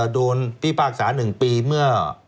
พิพากษา๑ปีเมื่อ